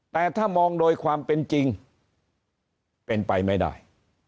แต่ถ้ามองโดยความเป็นจริงเป็นไปไม่ได้